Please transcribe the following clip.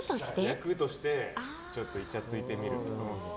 役としてちょっといちゃついてみる。